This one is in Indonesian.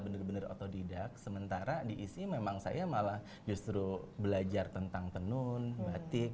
bener bener otodidak sementara di isi memang saya malah justru belajar tentang tenun batik